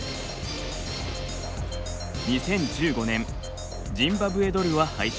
２０１５年ジンバブエドルは廃止。